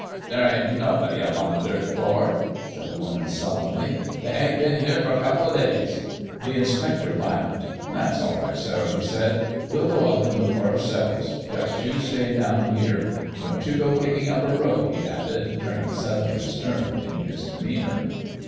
"There ain't nobody up on the third floor," said the woman, sullenly; "they 'ain't been here for a couple of days." The inspector laughed. "That's all right, Sarah," he said. "We'll go up and look for ourselves. Just you stay down here. And don't you go kicking up a row," he added, turning suddenly stern in his demeanor.